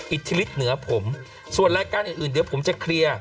อิทธิฤทธิเหนือผมส่วนรายการอื่นเดี๋ยวผมจะเคลียร์